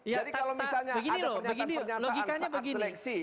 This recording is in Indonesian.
jadi kalau misalnya ada penyataan penyataan saat seleksi